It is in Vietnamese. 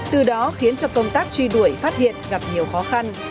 từ đó khiến cho công tác truy đuổi phát hiện gặp nhiều khó khăn